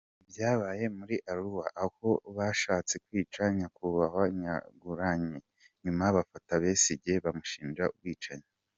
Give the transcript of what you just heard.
Ibi byabaye muri Arua aho bashatse kwica Nyakubahwa Kyagulanyi nyuma bafata Besigye bamushinja ubwicanyi.